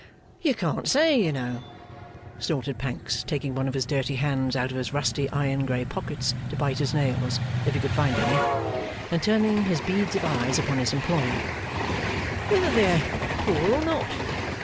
'You can't say, you know,' snorted Pancks, taking one of his dirty hands out of his rusty iron grey pockets to bite his nails, if he could find any, and turning his beads of eyes upon his employer, 'whether they're poor or not.